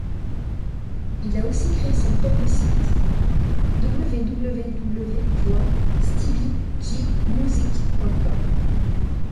Il aussi créé son propre site: www.steviejmusic.com.